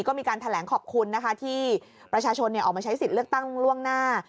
ก็มีการแถลงขอบคุณนะคะที่ประชาชนออกมาใช้สิทธิ์เลือกตั้งล่วงหน้า